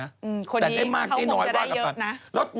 แต่ได้มากได้น้อยว่ากันไป